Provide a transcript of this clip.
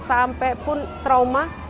sampai pun trauma